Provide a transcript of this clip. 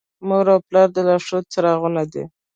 مور او پلار د لارښود څراغونه دي.